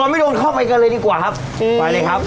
ไม่โดนเข้าไปกันเลยดีกว่าครับไปเลยครับ